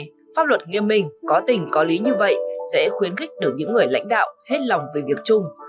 trong thời gian này pháp luật nghiêm minh có tình có lý như vậy sẽ khuyến khích được những người lãnh đạo hết lòng về việc chung